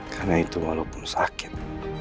karena itu walaupun sakit